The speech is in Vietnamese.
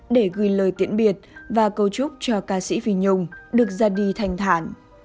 để gửi lời tiễn biệt và câu chúc cho ca sĩ phi nhung được ra đi thành thản